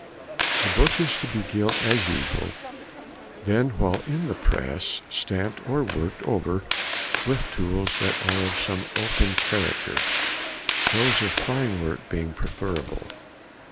_—The book is to be gilt as usual, then while in the press stamped or worked over with tools that are of some open character; those of fine work being preferable.